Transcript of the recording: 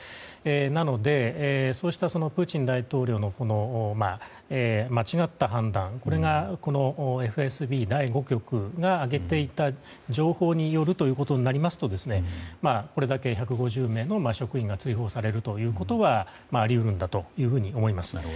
なのでそうしたプーチン大統領の間違った判断が、ＦＳＢ第５局が上げていた情報によるということになりますとこれだけ１５０名の職員が追放されるということはあり得るんだというふうに思います。